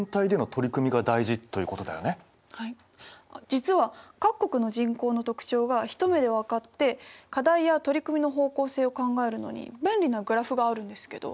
実は各国の人口の特徴が一目で分かって課題や取り組みの方向性を考えるのに便利なグラフがあるんですけど。